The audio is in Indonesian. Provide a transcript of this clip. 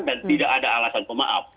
dan tidak ada alasan pemaaf